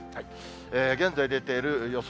現在出ている予想